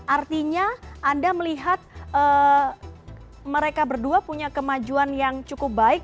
artinya anda melihat mereka berdua punya kemajuan yang cukup baik